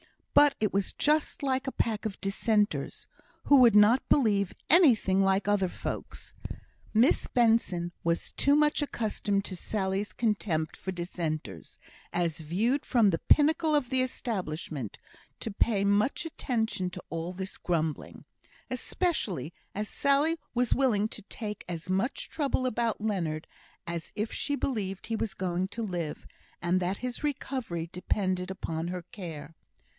But it was just like a pack of Dissenters, who would not believe anything like other folks. Miss Benson was too much accustomed to Sally's contempt for Dissenters, as viewed from the pinnacle of the Establishment, to pay much attention to all this grumbling; especially as Sally was willing to take as much trouble about Leonard as if she believed he was going to live, and that his recovery depended upon her care.